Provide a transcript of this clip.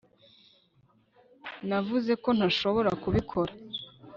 Navuze ko ntashobora kubikora